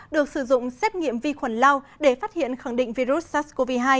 được sử dụng xét nghiệm vi khuẩn lao để phát hiện khẳng định virus sars cov hai